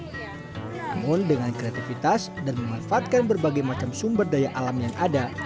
namun dengan kreativitas dan memanfaatkan berbagai macam sumber daya alam yang ada